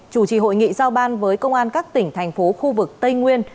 chủ trì hội nghị giao ban với công an các tỉnh thành phố khu vực tây nguyên